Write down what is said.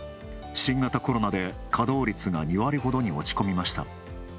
新型コロナで稼働率が２割ほどに落ち込みました。